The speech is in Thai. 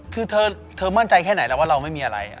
คือเธอมั่นใจแค่ไหนแล้วว่าเราไม่มีอะไร